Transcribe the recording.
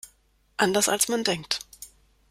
Anders als man denkt.